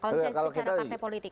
kalau misalnya secara partai politik